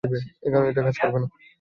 এখানে এটা কাজ করবে না।